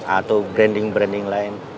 atau branding branding lain